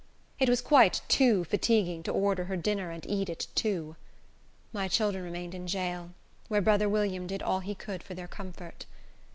It was quite too fatiguing to order her dinner and eat it too. My children remained in jail, where brother William did all he could for their comfort.